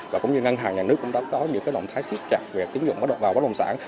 và cũng như ngân hàng nhà nước cũng đã có những động thái xếp chặt về tiến dụng bắt đầu vào bán đồng sản